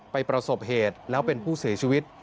ประสบเหตุแล้วเป็นผู้เสียชีวิต